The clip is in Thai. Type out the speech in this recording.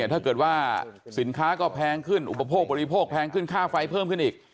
ถ้าเกิดว่าสินค้าก็แพงขึ้นอุปโภคบริโภคแพงขึ้นค่าไฟเพิ่มขึ้นอีก